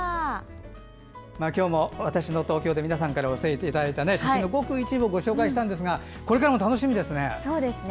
今日も「＃わたしの東京」で皆さんからお寄せいただいた写真のごく一部を紹介したのですがこれからも楽しみですね。